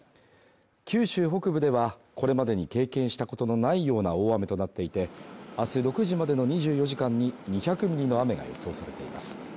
九州北部では、これまでに経験したことのないような大雨となっていて、明日６時までの２４時間に２００ミリの雨が予想されています